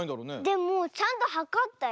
でもちゃんとはかったよ。